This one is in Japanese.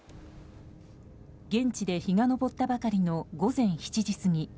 現地で日が昇ったばかりの午前７時過ぎ